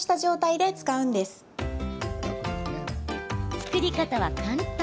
作り方は簡単。